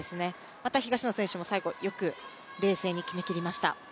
また、東野選手も最後、よく冷静に決めきりました。